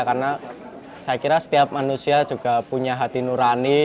karena saya kira setiap manusia juga punya hati nurani